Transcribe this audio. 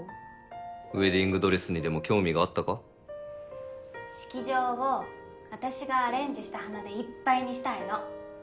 ウェディングドレスにでも興味があったか式場を私がアレンジした花でいっぱいにしたいの。